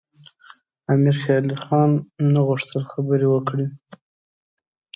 امیر شېرعلي خان نه غوښتل خبرې وکړي.